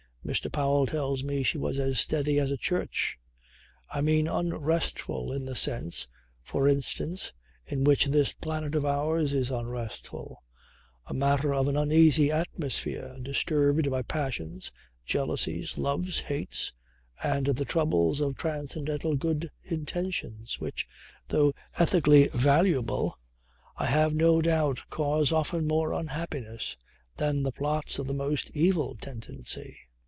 Mr. Powell tells me she was as steady as a church. I mean unrestful in the sense, for instance in which this planet of ours is unrestful a matter of an uneasy atmosphere disturbed by passions, jealousies, loves, hates and the troubles of transcendental good intentions, which, though ethically valuable, I have no doubt cause often more unhappiness than the plots of the most evil tendency.